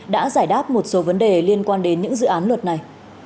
đã giải đáp một số vấn đề liên quan đến những dự án luật này